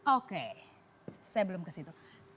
oke saya belum kesitu